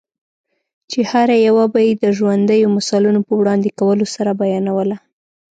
چي هره یوه به یې د ژوندییو مثالو په وړاندي کولو سره بیانوله؛